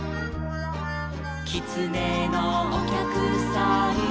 「きつねのおきゃくさん」